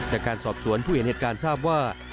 จากการสอบสวนผู้เห็นเหตุการณ์ทราบว่า